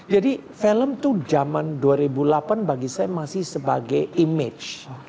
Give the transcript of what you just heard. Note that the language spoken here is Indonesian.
jadi film itu jaman dua ribu delapan bagi saya masih sebagai image